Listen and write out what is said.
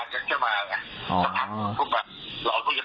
ครับใช่ครับครับครับครับครับครับครับครับ